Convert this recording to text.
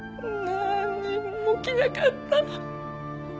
なんにも起きなかった。